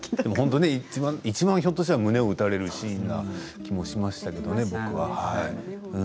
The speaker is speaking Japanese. いちばんちょっと胸を打たれるシーンのような気もしましたけれどもね、僕は。